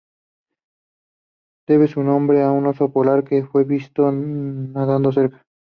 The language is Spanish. Debe su nombre a un oso polar que fue visto nadando cerca.